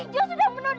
tukijo sudah menoda